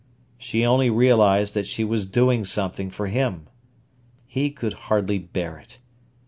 She only realised that she was doing something for him. He could hardly bear it.